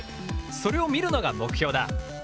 それを見るのが目標だ。